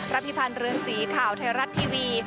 พิพันธ์เรือนสีข่าวไทยรัฐทีวี